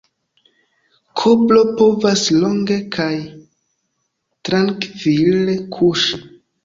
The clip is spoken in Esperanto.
Kobro povas longe kaj trankvile kuŝi.